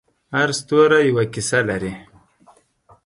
هر ستوری یوه کیسه لري.